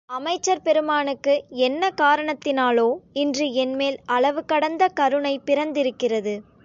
அமைச்சர் பெருமானுக்கு என்ன காரணத்தினாலோ இன்று என்மேல் அளவுகடந்த கருணை பிறந்திருக்கிறது.